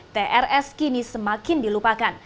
trs kini semakin dilupakan